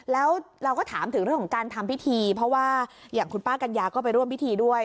แล้วเราก็ถามถึงเรื่องของการทำพิธีเพราะว่าอย่างคุณป้ากัญญาก็ไปร่วมพิธีด้วย